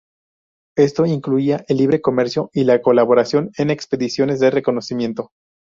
Esto incluía el libre comercio y la colaboración en expediciones de reconocimiento.